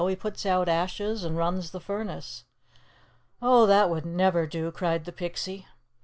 He puts out ashes and runs the furnace." "Oh, that would never do," cried the Pixie.